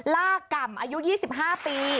ล่ากำอายุ๒๕ปี